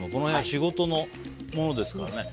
仕事のものですからね。